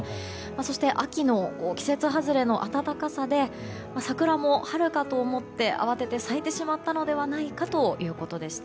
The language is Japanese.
そして、秋の季節外れの暖かさで桜も春かと思って慌てて咲いてしまったのではないかということでした。